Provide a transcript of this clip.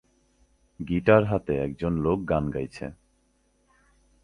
guitar হাতে একজন লোক গান গাইছে